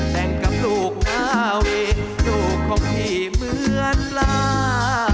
แต่งกับลูกหน้าเวรลูกของพี่เหมือนลา